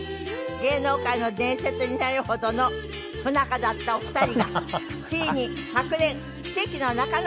芸能界の伝説になるほどの不仲だったお二人がついに昨年奇跡の仲直り。